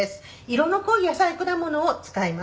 色の濃い野菜果物を使います」